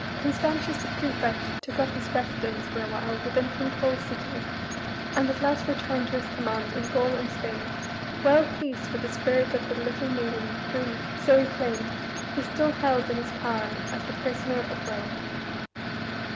Constantius the prefect took up his residence for a while within King Coel's city, and at last returned to his command in Gaul and Spain, well pleased with the spirit of the little maiden whom, so he claimed, he still held in his power as the prisoner of Rome.